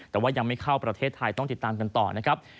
แต่ว่ายังไม่เข้าประเทศไทยต้องติดตามกันต่อนะครับ